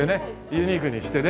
ユニークにしてね。